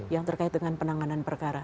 yang terkait dengan penanganan perkara